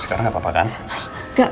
sekarang nggak apa apa kan